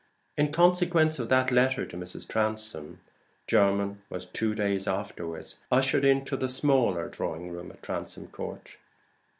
In consequence of that letter to Mrs. Transome, Jermyn was, two days afterward, ushered into the smaller drawing room at Transome Court.